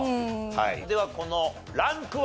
はいではこのランクは？